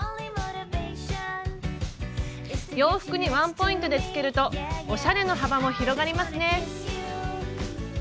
洋服にワンポイントでつけるとおしゃれの幅も広がりますね。